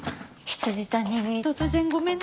未谷突然ごめんね。